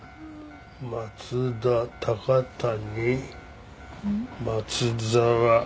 「松田」「高谷」「松沢」。